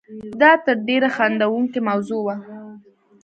دا تر ډېره خندوونکې موضوع وه.